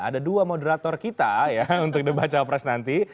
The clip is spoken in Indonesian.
ada dua moderator kita ya untuk debat cawapres nanti